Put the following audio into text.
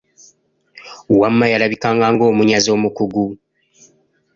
Wamma yalabikanga ng'omunyazi omukugu.